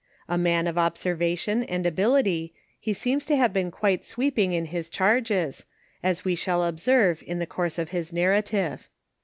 A man of observation and ability, he seems to have been quite sweeping in his charges, as we siiall observe in the course of his narrative.